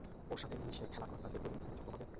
ওর সঙ্গে মিশে খেলা কর্তাকে বলে দিয়েছে তোমাদের?